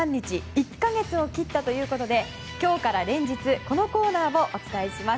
１か月を切ったということで今日から連日このコーナーをお伝えします。